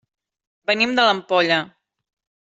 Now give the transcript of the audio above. Venim de l'Ampolla.